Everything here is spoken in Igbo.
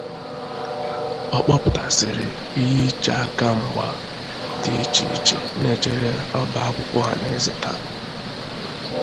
Ọ kpọpụtasịrị ihe iche aka mgba dị iche iche na-echere ọba akwụkwọ ọhaneze taa